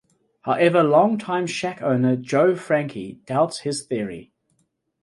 However long-time Shack owner Joe Franke doubts this theory.